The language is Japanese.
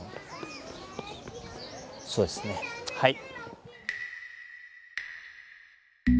そうですねはい。